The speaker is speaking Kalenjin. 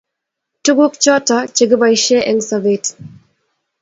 Tuguk choto chegeboishe eng sobet